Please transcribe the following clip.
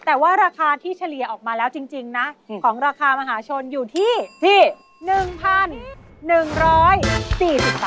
แต่ว่าราคาที่เฉลี่ยออกมาแล้วจริงนะของราคามหาชนอยู่ที่๑๑๔๐บาท